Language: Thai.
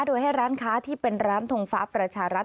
โดยให้ร้านค้าที่เป็นร้านทงฟ้าประชารัฐ